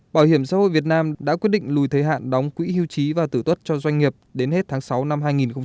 bảo hiểm xã hội việt nam đã quyết định lùi thế hạn đóng quỹ hưu trí và tử tuất cho doanh nghiệp đến hết tháng sáu năm hai nghìn hai mươi